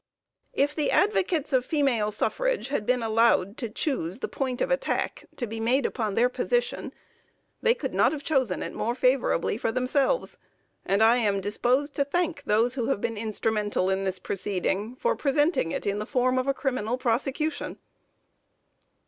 If the advocates of female suffrage had been allowed to choose the point of attack to be made upon their position, they could not have chosen it more favorably for themselves; and I am disposed to thank those who have been instrumental in this proceeding, for presenting it in the form of a criminal prosecution.